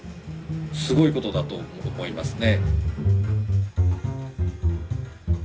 すごいことだと思いますね。